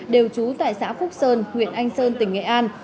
đều trú tại xã phúc sơn huyện anh sơn tỉnh nghệ an